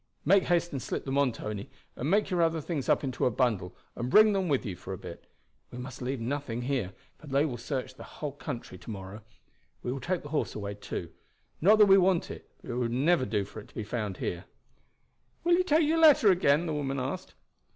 "Make haste and slip them on. Tony; and make your other things up into a bundle and bring them with you for a bit. We must leave nothing here, for they will search the whole country to morrow. We will take the horse away too; not that we want it, but it would never do for it to be found here." "Will you take your letter again?" the woman asked.